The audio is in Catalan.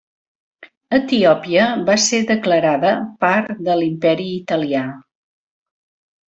Etiòpia ser va declarada part de l'Imperi Italià.